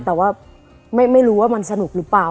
แต่ว่าไม่รู้ว่ามันสนุกหรือเปล่า